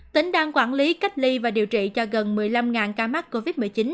tỉnh đang quản lý cách ly và điều trị cho gần một mươi năm ca mắc covid một mươi chín